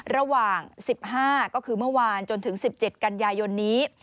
ระหว่าง๑๕ก็คือเมื่อวานจนถึง๑๗กันยายนนี้